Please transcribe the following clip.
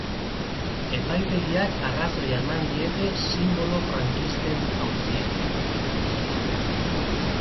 Epaitegiak arrazoia eman diete sinbolo frankisten auzian.